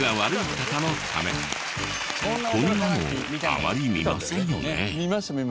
こんなのあまり見ませんよね？